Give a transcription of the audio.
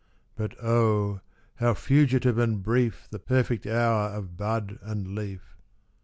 But oh, how fugitive and brief The perfect hour of bud and leaf.